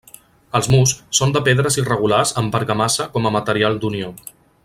Els murs són de pedres irregulars amb argamassa com a material d'unió.